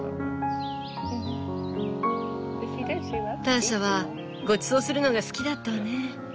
ターシャはごちそうするのが好きだったわね。